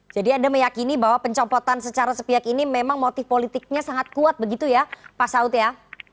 jadi anda meyakini bahwa pencopotan secara sepiak ini memang motif politiknya sangat kuat begitu ya pak saut ya